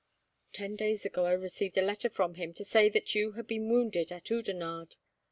Ten days ago, I received a letter from him, to say that you had been wounded at Oudenarde.